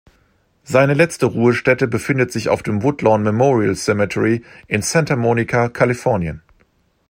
Seine letzte Ruhestätte befindet sich auf dem Woodlawn Memorial Cemetery in Santa Monica, Kalifornien.